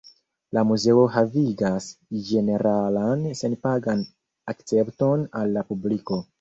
La muzeo havigas ĝeneralan senpagan akcepton al la publiko.